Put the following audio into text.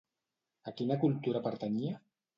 A quina cultura pertanyia?